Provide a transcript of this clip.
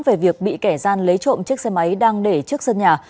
về việc bị kẻ gian lấy trộm chiếc xe máy đang để trước sân nhà